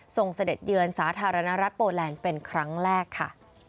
เสด็จเยือนสาธารณรัฐโปแลนด์เป็นครั้งแรกค่ะ